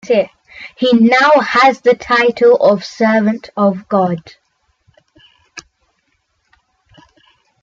He now has the title of Servant of God.